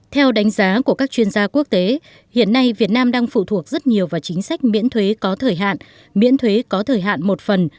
theo đánh giá của các chuyên gia quốc tế hiện nay việt nam đang phụ thuộc rất nhiều vào chính sách miễn thuế có thời hạn miễn thuế có thời hạn một phần